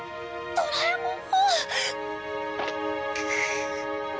ドラえもん。